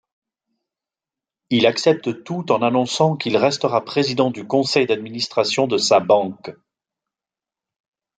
Il accepte tout en annonçant qu’il restera président du conseil d'administration de sa banque.